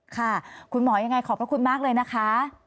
ค่ะคุณหมอยังไงขอบพระคุณมากเลยนะคะ